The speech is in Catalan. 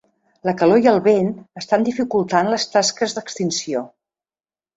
La calor i el vent estan dificultant les tasques d’extinció.